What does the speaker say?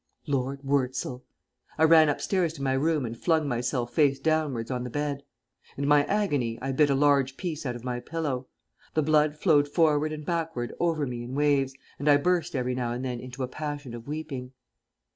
Lord Wurzel! I ran upstairs to my room and flung myself face downwards on the bed. In my agony I bit a large piece out of my pillow. The blood flowed forward and backward over me in waves, and I burst every now and then into a passion of weeping.